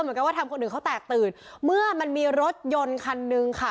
เหมือนกันว่าทำคนอื่นเขาแตกตื่นเมื่อมันมีรถยนต์คันนึงค่ะ